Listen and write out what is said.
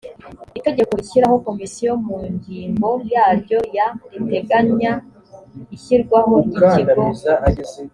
itegeko rishyiraho komisiyo mu ngingo yaryo ya riteganya ishyirwaho ry ‘ikigo